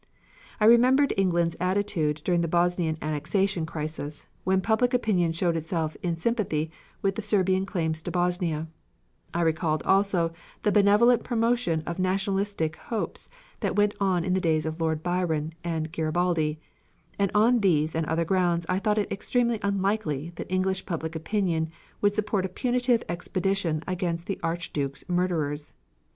I remembered England's attitude during the Bosnian annexation crisis, when public opinion showed itself in sympathy with the Serbian claims to Bosnia; I recalled also the benevolent promotion of nationalist hopes that went on in the days of Lord Byron and Garibaldi; and on these and other grounds I thought it extremely unlikely that English public opinion would support a punitive expedition against the Archduke's murderers.